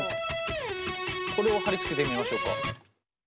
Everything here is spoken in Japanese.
これを貼り付けてみましょうか。